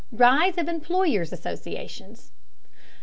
RISE OF EMPLOYERS' ASSOCIATIONS.